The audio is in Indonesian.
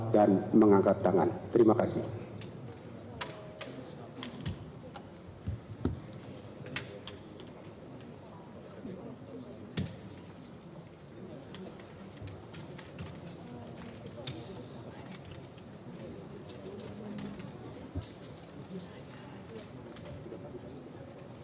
lagu kebangsaan indonesia raya